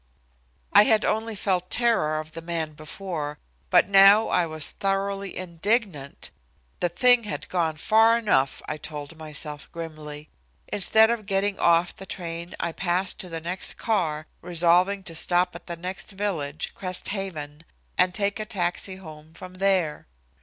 I had only felt terror of the man before, but now I was thoroughly indignant. "The thing had gone far enough," I told myself grimly. Instead of getting off the train I passed to the next car, resolving to stop at the next village, Crest Haven, and take a taxi home from there.